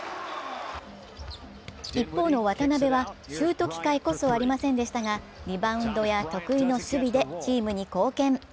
一方の渡邊はシュート機会こそありませんでしたがリバウンドや得意の守備でチームに貢献。